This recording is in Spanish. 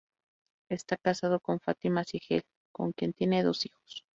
Está casado con Fátima Siegel, con quien tiene dos hijos.